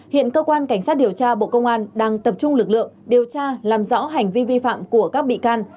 hiện cơ quan cảnh sát điều tra bộ công an đang tập trung lực lượng điều tra làm rõ hành vi vi phạm của các bị can